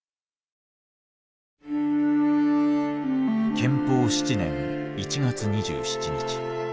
建保７年１月２７日。